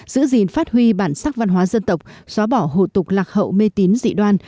giữ gìn phát huy bản sắc văn hóa dân tộc xóa bỏ hộ tục lạc hậu mê tín dị đoan